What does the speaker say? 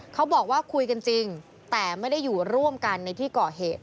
เขาบอกว่าคุยกันจริงแต่ไม่ได้อยู่ร่วมกันในที่ก่อเหตุ